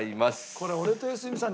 これ俺と良純さん